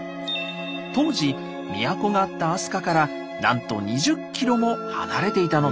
当時都があった飛鳥からなんと２０ｋｍも離れていたのです。